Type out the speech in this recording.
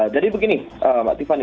jadi begini mbak tiffany